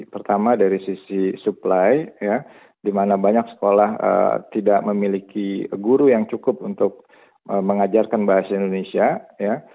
pertama dari sisi supply di mana banyak sekolah tidak memiliki guru yang cukup untuk mengajarkan bahasa indonesia ya